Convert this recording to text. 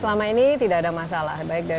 selama ini tidak ada masalah baik dari